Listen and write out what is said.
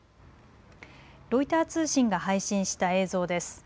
ロイター通信が配信した映像です。